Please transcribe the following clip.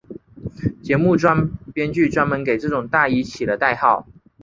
节目编剧专门给这种大衣起了代号。